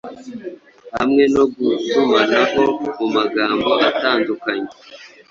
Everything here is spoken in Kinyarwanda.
hamwe no gutumanaho mu magambo atandukanye